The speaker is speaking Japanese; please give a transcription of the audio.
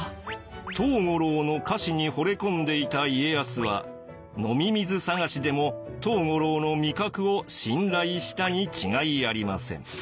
藤五郎の菓子にほれ込んでいた家康は飲み水探しでも藤五郎の味覚を信頼したに違いありません。